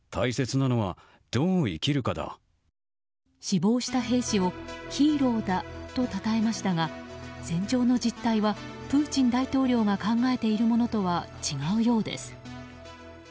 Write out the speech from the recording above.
死亡した兵士をヒーローだとたたえましたが戦場の実態はプーチン大統領が考えているものとは違うようです。